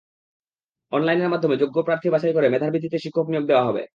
অনলাইনের মাধ্যমে যোগ্য প্রার্থী বাছাই করে মেধার ভিত্তিতে শিক্ষক নিয়োগ দেওয়া হবে।